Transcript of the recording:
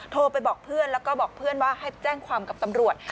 โทรไปบอกเพื่อนแล้วก็บอกเพื่อนว่าให้แจ้งความกับตำรวจ